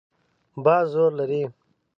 باد زور لري.